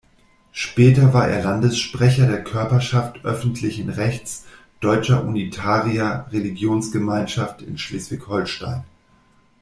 Später war er Landessprecher der Körperschaft öffentlichen Rechts Deutsche Unitarier Religionsgemeinschaft in Schleswig-Holstein.